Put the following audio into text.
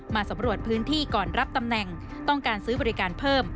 สำรวจพื้นที่ก่อนรับตำแหน่งต้องการซื้อบริการเพิ่ม